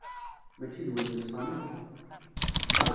Mačči d win yeṣfan akk.